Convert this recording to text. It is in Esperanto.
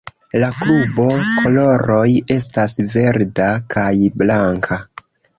La klubo koloroj estas verda kaj blanka.